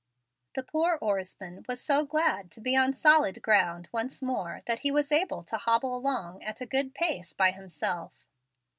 The poor oarsman was so glad to be on solid ground once more that he was able to hobble along at a good pace by himself.